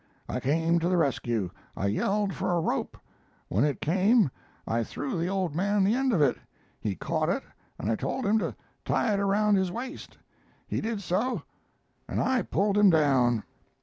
I came to the rescue. I yelled for a rope. When it came I threw the old man the end of it. He caught it and I told him to tie it around his waist. He did so, and I pulled him down."